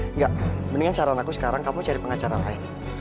enggak mendingan saran aku sekarang kamu cari pengacara lain